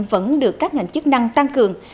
vẫn được các ngành chức năng tăng cường